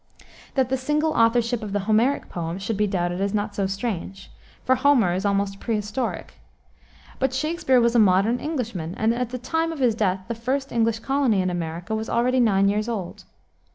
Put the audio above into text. That the single authorship of the Homeric poems should be doubted is not so strange, for Homer is almost prehistoric. But Shakspere was a modern Englishman, and at the time of his death the first English colony in America was already nine years old.